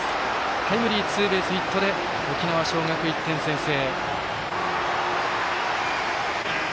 タイムリーツーベースヒットで沖縄尚学、１点先制。